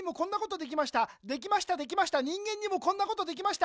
できましたできました人間にもこんなことできました